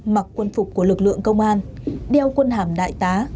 mặc quân phục của lực lượng công an đeo quân hàm đại tá